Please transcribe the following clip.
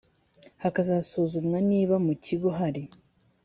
hakanasuzumwa niba mu kigo hari